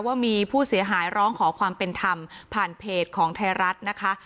ว่ามีผู้เสียหายร้องขอความเป็นธรรมผ่านเพจของไทยรัฐนะคะ